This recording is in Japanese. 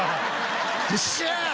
「よっしゃー！